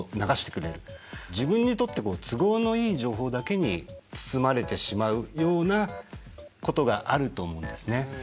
自分にとって都合のいい情報だけに包まれてしまうようなことがあると思うんですね。